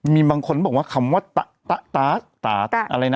มีบางคนบอกว่าคำว่าตะตาสตาอะไรนะ